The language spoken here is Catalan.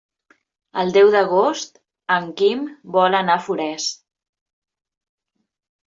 El deu d'agost en Quim vol anar a Forès.